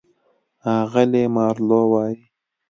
اغلې مارلو وايي: